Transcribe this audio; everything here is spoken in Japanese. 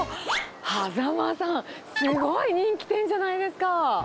羽佐間さん、すごい人気店じゃないですか。